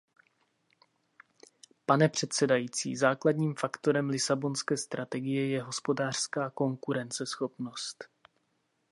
Pane předsedající, základním faktorem Lisabonské strategie je hospodářská konkurenceschopnost.